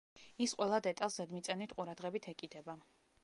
ის ყველა დეტალს ზედმიწევნით ყურადღებით ეკიდება.